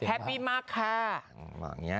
แฮปปี้มากค่ะ